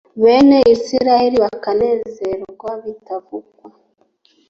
bene israheli bakanezerwa bitavugwa